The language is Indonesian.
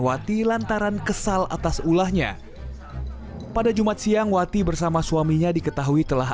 wati lantaran kesal atas ulahnya pada jumat siang wati bersama suaminya diketahui telah